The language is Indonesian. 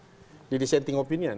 itu yang melakukan disenting opinion